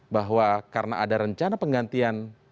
bahwa karena ada rencana penggantian